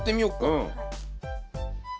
うん。